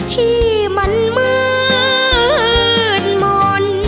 ที่มันมืดมนต์